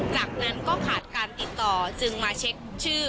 จากนั้นก็ขาดการติดต่อจึงมาเช็คชื่อ